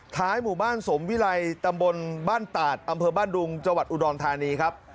หมู่บ้านสมวิรัยตำบลบ้านตาดอำเภอบ้านดุงจังหวัดอุดรธานีครับ